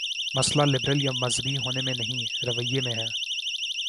مسئلہ لبرل یا مذہبی ہو نے میں نہیں، رویے میں ہے۔